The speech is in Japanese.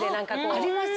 あります？